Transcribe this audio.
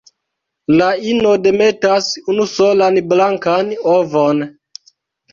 La ino demetas unusolan blankan ovon.